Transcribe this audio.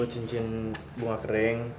itu cincin bunga kering